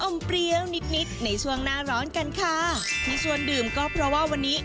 เปรี้ยวนิดนิดในช่วงหน้าร้อนกันค่ะที่ชวนดื่มก็เพราะว่าวันนี้